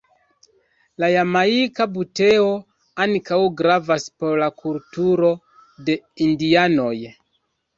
La Jamajka buteo ankaŭ gravas por la kulturo de indianoj.